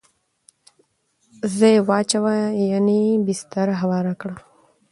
ځای واچوه ..یعنی بستره هواره کړه